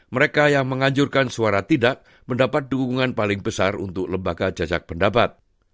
mereka yang menganjurkan suara tidak mendapat dukungan paling besar untuk lembaga jasak pendapat